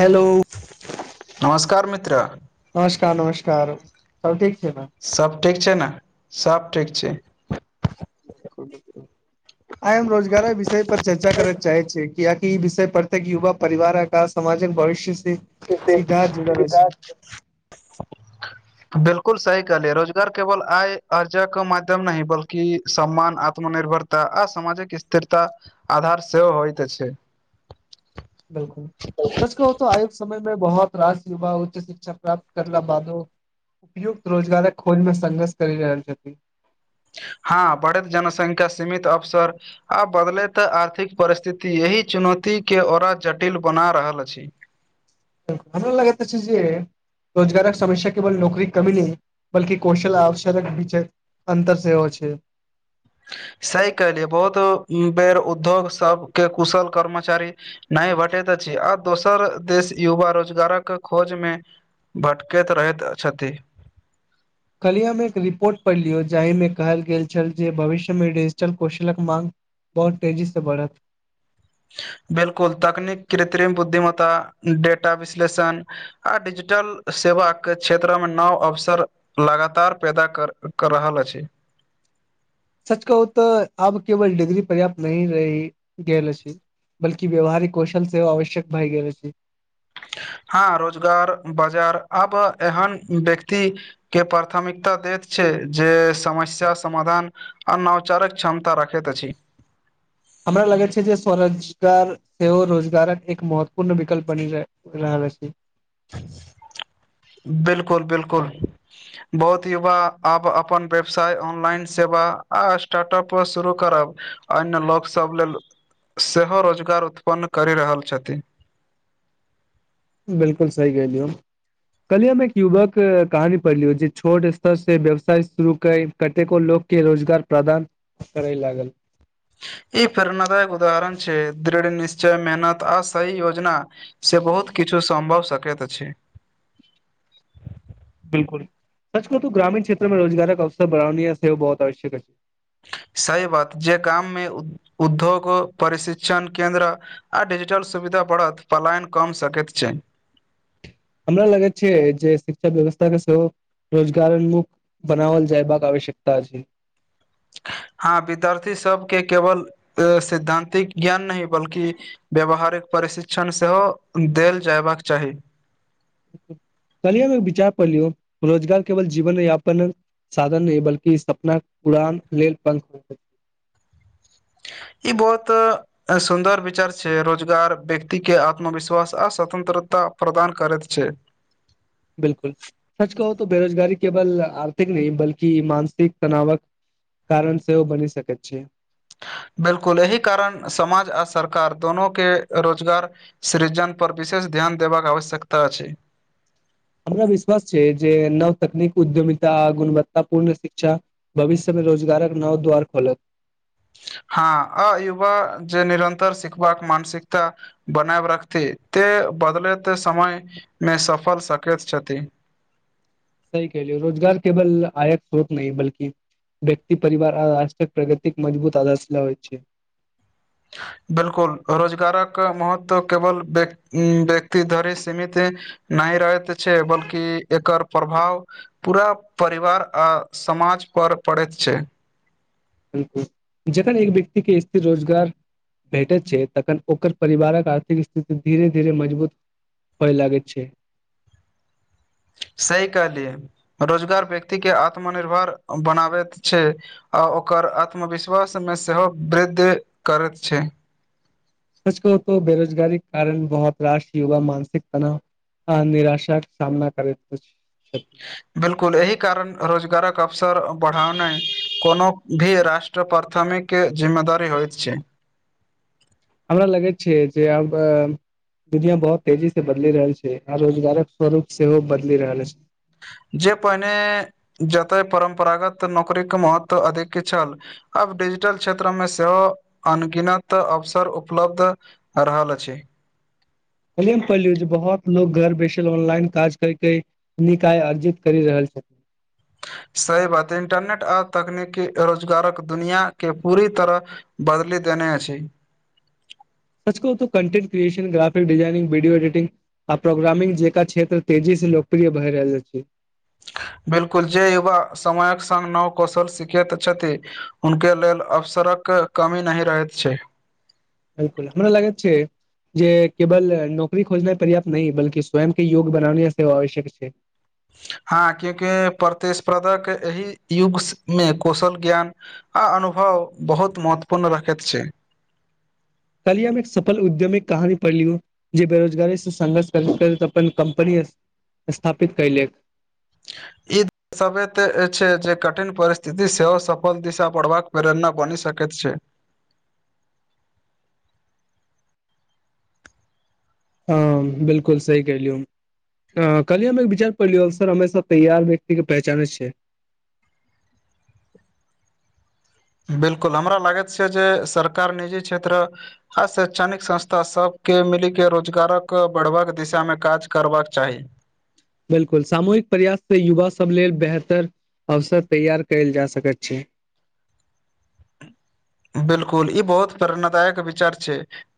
Hello नमस्कार मित्र नमस्कार नमस्कार सब ठीक छै न सब ठीक छै न सब ठीक छै [unintelligible] आय हम रोजगार विषय पर चर्चा करै चाहै छी क्याकि ई विषय परतेक युवा परिवारक अ समाजिक भविष्य से केतेक सीधा जुड़ल अछि किताब छै [inaudible] बिलकुल सही कहलय है रोजगार केवल आय अर्ज क माध्यम नहीं बल्कि सम्मान आत्मनिर्भर त आ सामजिक स्थिरता आधार सेहो होइत छै बिलकुल सच कहु त आयु के समय में बहुत रास युवा उच्च शिक्षा प्राप्त करला बादो उपयुक्त रोजगारक खोज मे संघर्ष करि रहल छथिन हँ बढ़ैत जनसंख्या सीमित अवसर आ बदले त आर्थिक परिस्थिति यही चुनौती के ओऔरा जटिल बना रहल अछि बिलकुल भर लागै छैत जे रोजगारक समस्या केवल नौकरी कमी नै बल्की कौशल आवश्यक बीच अन्तर सेहो छै सही कहलियै बहुत बेर उद्योग सबके कुशल कर्मचारी नै भटैत अछि आ दोसर देश युवा रोजगारक खोज मे भटकैत रहैत छथी कलिया मे एक रिपोर्ट पढ़ि लियौ जाहि मे कहल गेल छल जे भविष्य मे डिजिटल कौशलक माँग बहुत तेजी से बढ़त बिलकुल तकनीक कृत्रिम बुद्धिमता डेटा विश्लेषण आ डिजिटल सेवा के क्षेत्र मे नव अवसर लगातार पैदा कर कर रहल अछि सच कहू त आब केवल डिग्री पर्याप्त नही रहि गेल छी बल्कि व्यवहारिक कौशल सेवा आवश्यक भए गेल छै हँ रोजगार बाजार अब एहन व्यक्ति के प्राथमिकता दैत छै जे समस्या समाधान अ नोचारक क्षमता रखैत त अछि हमरा लगे छै जे स्व रोजगार सेहो रोजगारक एक महत्वपूर्ण विकल्प बनि रहय रहल अछि। [inaudible] बिलकुल-बिलकुल। बहुत युवा आब अपन व्यवसाय ऑनलाइन सेवा आ स्टार्टप शुरू करब अन्य लोक सब लेल सेहो रोजगार उत्पन्न करि रहल छथि। बिलकुल सही कहिलियौ। कल्हि हम एक युवाक कहानी पढ़लियौ जे छोट स्तर से व्यवसाय शुरू कर कतेको लोक के रोजगार प्रदान करे लागल ई प्रेरणादायक उदाहरण छै दृढ़, निश्चय, मेहनत आ सही योजना से बहुत किछो सम्भव सकैत अछि। बिल्कुल सच कहु तो ग्रामीण क्षेत्र मे रोजगारक अवसर बढ़ानीय सेहो बहुत आवश्यक अछि। सही बात जे गाम मे उ उधोग ओ प्रशिक्षण केन्द्र आ डिजिटल सुविधा बढ़त पलायन कम सकैत छै। हमरा लगैत छै जे शिक्षा व्यवस्था के सेहो रोजगार उन्मुख बनावल जायबाक आवश्यकता छै। हां विद्यार्थी सबके केवल ए सिद्धानतिक ज्ञान नहि बल्कि व्यवहारिक प्रशिक्षण सेहो देल जायबाक चाही। कल्हि हम एक विचार पढ़लियौ रोजगार केवल जीवन यापन साधन नहि बल्कि सपनाक उड़ान लेल पंख हो। ई बहोत ए सुन्दर विचार छै, रोजगार व्यक्ति के आत्मविश्वास आ स्वतन्त्रता प्रदान करैत छै। बिलकुल सच कहु तो बेरोजगारी केवल आर्थिक नहि बल्कि मानसिक तनावक कारण सेहो बनी सकैत छी। बिलकुल एहि कारण समाज आ सरकार दोनो के रोजगार सृजन पर विशेष ध्यान देबाक आवश्यकता अछि। हमरा विश्वास छै जे नव तकनीक उद्यमिता गुणवत्ता पूर्ण शिक्षा भविष्य मे रोजगारक नव द्वार खोलत। हां आ युवा जे निरन्तर सिखबाक मानसिकता बनाब रखथि ते बदलत समय मे सफल सकैत छथि। सही कहलियै रोजगार केवल आयक स्रोत नहि बल्कि व्यक्ति, परिवार आ राष्ट्रक प्रगतिक मजबूत आदर्श ले होय छै। बिलकुल रोजगारक महत्त्व केवल व्यक उम्म व्यक्ति धरि सीमित नहि रहैत छै, बल्कि एकर प्रभाव पूरा परिवार आ समाज पर पड़ैत छै। बिलकुल जखन एक व्यक्ति के स्थिर रोजगार भेटैत छै तखन ओकर परिवारक आर्थिक स्थिति धीरे-धीरे मजबूत होय लागैत छै। सही कहलियै रोजगार व्यक्ति के आत्मनिर्भर बनाबैत छै। आ ओकर आत्मविश्वास मे सेहो वृद्ध करैत छै। सच कहु तो बेरोजगारीक कारण बहोत रास युवा मानसिक तनाव आ निराशा के सामना करैत अछि। बिलकुल एहि कारण रोजगारक अवसर बढ़ानय कोनो भी राष्ट्र प्रथमिक जिम्मेदारी होएत छै। हमरा लगैत छै जे आब ए दुनिया बहोत तेजी से बदलि रहल छै आ रोजगारक स्वरूप सेहो बदलि रहल [unintelligible] जे पहिने जतय परम्परागत नौकरीके महत्व अधिक छल आब डिजिटल क्षेत्रमे सेहो अनगिनत अवसर उपलब्ध अ रहल अछि। कल्हि हम पैलियो जे बहोत लोग घर बैसल ऑनलाइन काज करके निक आय अर्जित करि रहल छै। सही बात हय, इंटरनेट और तकनीकी रोजगारक दुनिया के पूरी तरह बदली देने अछि। सच कहु तो content creation, graphic designing, video editing आ प्रोग्रामिंग जेका क्षेत्र तेजी से लोकप्रिय भए रहल छै। बिल्कुल जे युवा समयक संग नव कौशल सिखैत छथि हुनके लेल अवसरक कमी नहि रहैत छै। बिल्कुल हमरा लगैत छै। जे केवल नौकरी खोजनाइ पर्याप्त नहि बल्कि स्वयं के योग्य बनाने सेहो आवश्यक छै। हां कियाकि प्रतिस्पर्धक एहि युग से मे कौशल ज्ञान‌ आ अनुभव बहुत महत्वपूर्ण रखैत छै। कल्हि हम एक सफल उद्यमिक कहानी पढ़लियो जे बेरोजगारी से संघर्ष करैत-करैत अपन कम्पनी अस स्थापित केलक। ई समय तै छै जे कठिन परिस्थिति सेहो सफल दिशा बढ़बाक प्रेरणा बनि सकैत छै। हां बिल्कुल सही कहलियौ। अ कल्हि हम एक विचार पढ़लियौ अवसर हमेशा तैयार व्यक्ति के पहचाने छै। बिल्कुल हमरा लागैत छै जे सरकार निजी क्षेत्र आ शैक्षणिक संस्था सबके मिली के रोजगारक बढ़बाक दिशा मे काज करबाक चाही। बिल्कुल सामूहिक प्रयास से युवा सब लेल बेहतर अवसर तैयार कैल जा सकैत छै। बिल्कुल ई बहुत प्रेरणादायक विचार छै।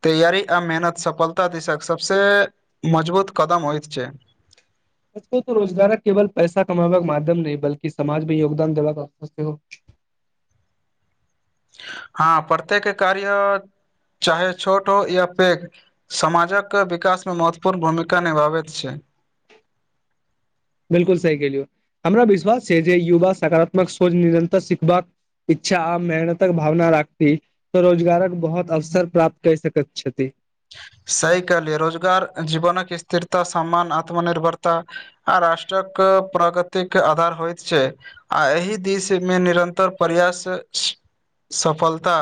तैयारी आ मेहनत सफलता दिशाक सबसे मजबूत कदम होएत छै। [unintelligible] रोजगारक केवल पैसा कमाबा के माध्यम नहि बल्कि समाज मे योगदान देबा क सेहो हां प्रत्येक कार्य चाहे छोट हो या पैघ समाजक विकासमे महत्वपूर्ण भूमिका निभाबैत छै। बिल्कुल सही कहलियौ हमरा विश्वास छै जे युवा सकारात्मक सोच निरन्तर सिखबाक। इच्छा आ मेहनतक भावना राखती तऽ रोजगारक बहोत अवसर प्राप्त कैर सकैत छथि। सही कहलिए रोजगार जीवनक स्थिरता सम्मान आत्मनिर्भरता आ राष्ट्रक प्रगतिक आधार होएत छै। आ एहि दिश मे निरन्तर प्रयास सफलता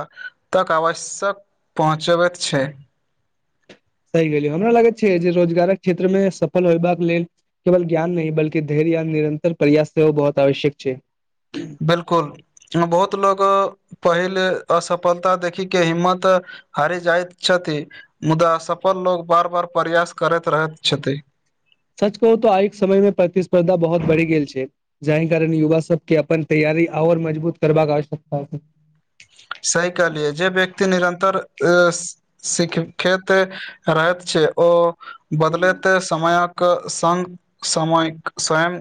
तक आवश्यक पहुँचबैत छै। सही कहलिए हमरा लागै छै जे रोजगारक क्षेत्र मे सफल होयबाक लेल केवल ज्ञान नहि बल्कि धैर्य या निरन्तर प्रयास सेहो बहोत आवश्यक छै। बिल्कुल बहुत लोग पहिल असफलता देखी के हिम्मत हारि जाएत छथि मुदा सफल लोग बार-बार प्रयास करैत रहैत छथि। सच कहू तै आय के समय मे प्रतिस्पर्धा बहुत बढ़ि गेल छै। जहि कारण युवा सबके अपन तैयारी और मजबूत करबाक आवश्यकता छै। सही कहलियै जे व्यक्ति निरन्तर ए सिखैत रहैत छै ओ बदलैत समयक क संग समैक स्वयं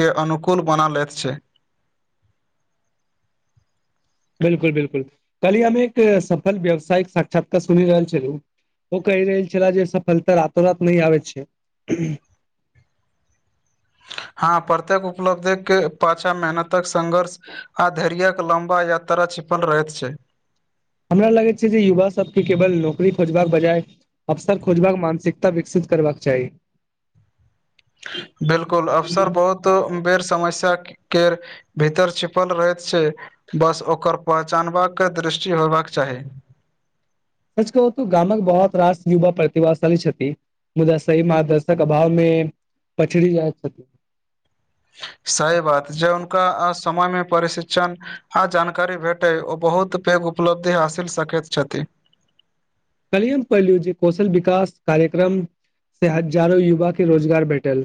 के अनुकूल बना लैत छै। बिल्कुल-बिल्कुल, कलि हम एक सफल व्यवसायिक साक्षात्कार सुनि रहल छलउ ओ कैहि रहल छला जे सफलता रातो-रात नहिं आवैत छै। हाँ, प्रत्येक उपलब्धि के पाछा मेहनतक संघर्ष आ धैर्यक लम्बा यात्रा छिपल रहैत छै। हमरा लगैत छै जे युवा सब के केवल नौकरी खोजबाक बजाय अबसर खोजबाक मानसिकता विकसित करवाक चाई। बिलकुल, अफसर बहोत उं-बेर समस्या केर भितर छिपल रहैत छै, बस ओकर पहचानबा के दृष्टि होयबाक चाही। सच कओ तऽ गामक बहोत-रास युबा प्रतिवाशाली छति। मुदा सही मार्गदर्शक अभाव में पछरि रहल छति। सइ बात जे हुनका असमय में परशिछन आ, जानकारी भेटै, ओ बहुत पैघ उपलब्धि हासिल सकैत छथि। कलिये अम कअलियौ जे कौशल-बिकास कार्यक्रम से हजारो युवा के रोजगार भेटल।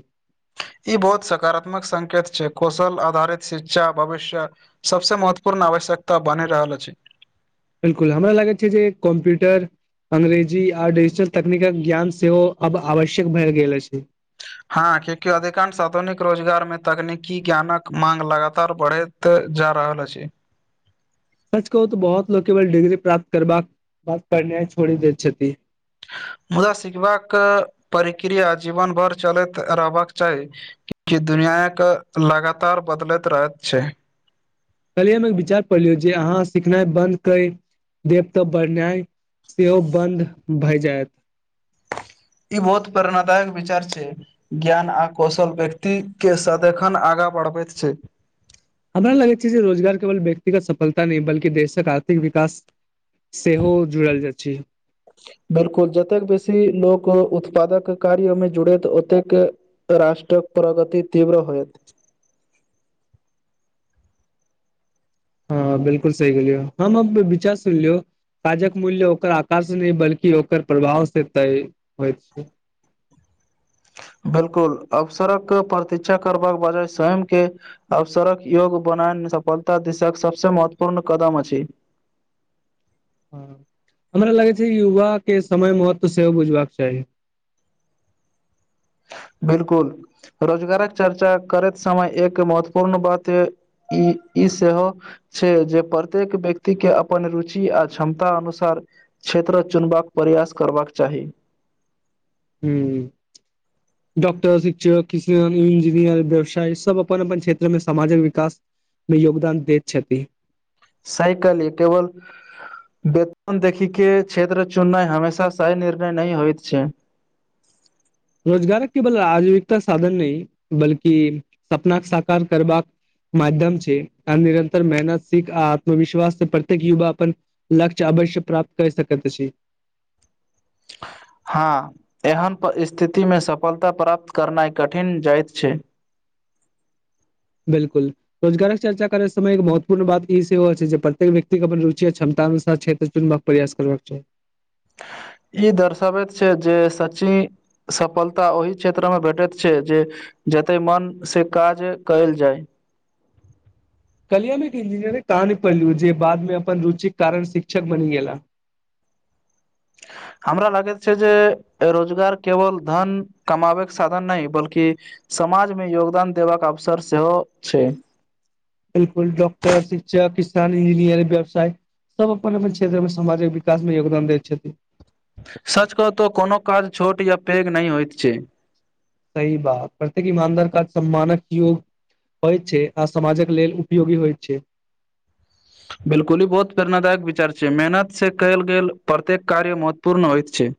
ई बओत सकारात्मक संकेत छै कौशल-आधारित शिक्षा भविष्य सबसे महत्वपूर्ण आवश्यकता बनि रहल अछि। बिल्कुल, हमरा लागैत छै जे कम्प्यूटर अंग्रेजी आ डिजिटल तकनीकक ज्ञान सेहो आब आवश्यक भए गेल अछि। हां, क्यूंकि अधिकांश अधुनिक रोजगार में तकनीकी ज्ञानक मांग लगातार बढ़ैत तऽ जा रहल अछि। सच कओ तऽ बहोत लोक केवल डिग्री प्राप्त करबाक बाद पढ़नै छोड़ि दैत छति। मुदा सिखबाक परिक्रिया जीवन भर चलैत आ रहबाक चाई। कि दुनियाक लगातार बदलैत रहत छै। कलियै अम एक बिचार पढ़लियै जे अहाँ सिखनै बन्द कय देब तऽ बढ़नाइ सेहो बन्द भय जायत। ई बओत प्रेरणादायक बिचार छै। ज्ञान आ कौशल व्यक्ती के सदैखन आगाँ बढ़बैत छै। हमरा लगैत छै जे रोजगार केवल ब्यक्तिगत सफलता नै बल्कि देशक आर्थिक विकास सेहो जुड़ल जै छै। बिलकुल, जतेक बेसी लोक उत्पादक कार्य में जुडे़त ओतेके राष्ट्रक प्रगति तीव्र होयत। हँ, बिलकुल सही गेलियौ अहाँ, हम ऽप विचार सुइन लियौ। काजक मूल्य ओकर आकार से नै, बल्कि ओकर प्रभाव से तय होइ-होइत छै। बिल्कुल, अवसरक प्रतीक्षा करबाक बजाय स्वयं के अवसरक योग बनायन सपलता दिसक सबस महत्वपूर्ण कदम अछि। हँ, हमरा लगै छै युवा के समय महत्व सेहो बुझबाक चाही। बिल्कुल। रोजगारक चर्चा करैत समय एक महत्वपूर्ण बात ई- ई सेहो छै जे परत्येक ब्यक्ति के अपन रुचि आ क्षमता अनुसार क्षेत्र चुनबाक परयास करवाक चाही। हूं। डॉक्टर, शिक्षक, किसान, इंजीनियर, ब्यबशाय सब अपन-अपन क्षेत्र में समाजक विकास में योगदान दैत छति। सायकल ये केवल बेतन देखि के क्षेत्र चुननाइ हमेशा साइ निर्णय नहिं होइत छै। रोजगारक केबल आजीविकता साधन नइ बल्कि सपनाक साकार करबाक माध्यम छै आ निरन्तर मेहनत सीख आ आत्मविश्वास से प्रत्येक युवा अपन लक्ष्य अवश्य प्राप्त कैर सकत अछि। हां एहन स्थिति मे सफलता प्राप्त करनाय कठिन जाएत छै। बिलकुल। रोजगारक चर्चा करै समय एक महत्वपूर्ण बात ई सेहो अछि जे प्रत्येक व्यक्ति के अपन रुचि अ क्षमता अनुसार क्षेत्र चुनबाक प्रयास करबाक चाही। ई दर्शाबैत छै जे सच्ची सफलता ओहि क्षेत्र मे भेटैत छै जे जते मन से काज कयल जाय। कल्हि हम एक इंजीनियर के कहानी पढ़लियो जे बाद मे अपन रुचिक कारण शिक्षक बनि गेला। हमरा लागैत छै जे रोजगार केवल धन कमाबै के साधन नहि बल्कि समाज मे योगदान देबाक अवसर सेहो छै। बिलकुल डॉक्टर, शिक्षक, किसान, इंजीनियर, व्यवसाय सब अपन-अपन क्षेत्र मे समाजक विकास मे योगदान दैत छथि। सच कहु तऽ कोनो काज छोट या पैघ नै होएत छै। सही बात प्रत्येक ईमानदार का सम्मानक योग होय छै आ समाजक लेल उपयोगी होय छै। बिलकुल ई बहुत प्रेरणादायक विचार छै, मेहनत से कयल गेल प्रत्येक कार्य महत्वपूर्ण होएत छै।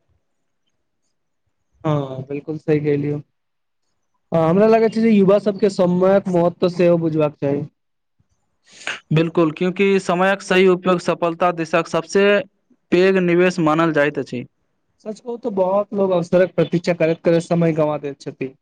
हां बिल्कुल सही कहलियौ। आ हमरा लागै छै जे युवा सबके समयक महत्व सेहो बुझबाक चाही। बिलकुल क्यूंकि समयक सही उपयोग सफलता देशक सबसे पैघ निवेश मानल जाएत अछि। सच कहु तो बहोत लोग अवसरक प्रतीक्षा करैत-करैत समय गवा दैत छथि।